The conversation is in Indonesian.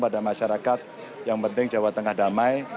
pada masyarakat yang penting jawa tengah damai